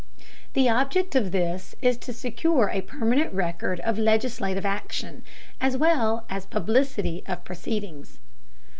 The object of this is to secure a permanent record of legislative action, as well as publicity of proceedings.